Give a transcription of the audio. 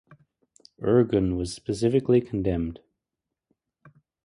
Irgun was specifically condemned.